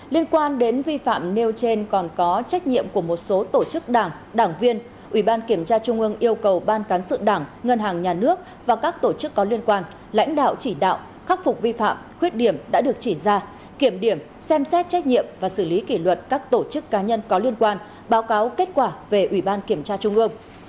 liên quan đến vi phạm nêu trên còn có trách nhiệm của một số tổ chức đảng đảng viên ủy ban kiểm tra trung ương yêu cầu ban cán sự đảng ngân hàng nhà nước và các tổ chức có liên quan lãnh đạo chỉ đạo khắc phục vi phạm khuyết điểm đã được chỉ ra kiểm điểm xem xét trách nhiệm và xử lý kỷ luật các tổ chức cá nhân có liên quan báo cáo kết quả về ủy ban kiểm tra trung ương